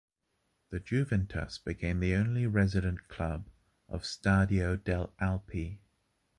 The Juventus became the only resident club of Stadio delle Alpi.